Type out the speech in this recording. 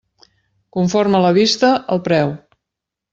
Conforme la vista, el preu.